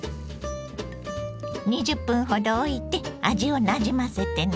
２０分ほどおいて味をなじませてね。